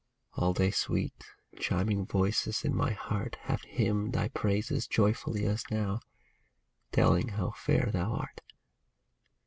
All day sweet, chiming voices in my heart Have hymned thy praises joyfully as now, Telling how fair thou art